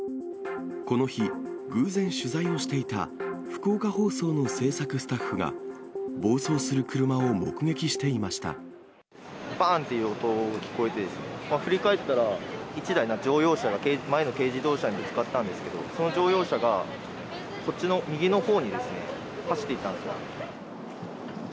この日、偶然、取材をしていた福岡放送の制作スタッフが、暴走する車を目撃してばーんという音が聞こえて、振り返ったら、１台の乗用車が前の軽自動車にぶつかったんですけど、その乗用車が、こっちの右のほうに走っていったんですよ。